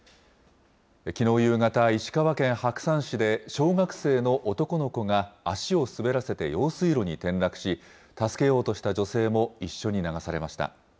きのう夕方、石川県白山市で小学生の男の子が、足を滑らせて用水路に転落し、助けようとした女性も一緒に流されました。